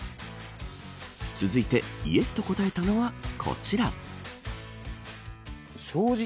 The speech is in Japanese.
続いてイエスと答えたのはこちら。